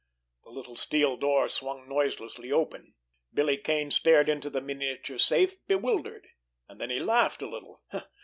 The little steel door swung noiselessly open. Billy Kane stared into the miniature safe, bewildered. And then he laughed a little.